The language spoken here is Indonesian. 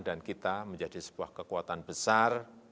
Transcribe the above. dan kita menjadi sebuah kekuatan besar